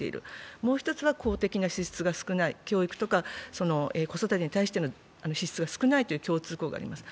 もう１つは、公的な支出が少ない、教育とか子育てに対しての支出が少ないという共通項があります。